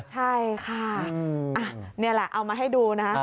ใช่ค่ะนี่แหละเอามาให้ดูนะ